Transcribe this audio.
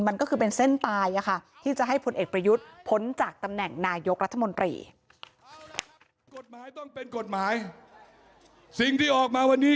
มันก็คือเป็นเส้นตายที่จะให้พลเอกประยุทธ์พ้นจากตำแหน่งนายกรัฐมนตรี